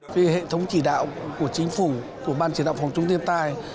về hệ thống chỉ đạo của chính phủ của ban chỉ đạo phòng chống thiên tai